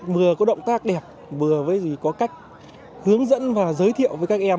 vừa có động tác đẹp vừa với gì có cách hướng dẫn và giới thiệu với các em